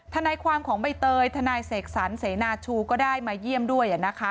ทนายความของใบเตยทนายเสกสรรเสนาชูก็ได้มาเยี่ยมด้วย